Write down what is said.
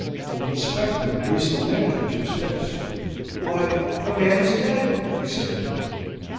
The Inspector raised the lantern to his face. "Why, the man is dead," he said.